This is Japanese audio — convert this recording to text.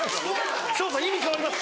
翔さん意味変わります。